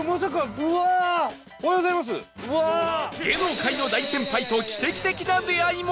芸能界の大先輩と奇跡的な出会いも